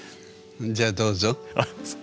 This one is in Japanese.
じゃあどうぞ。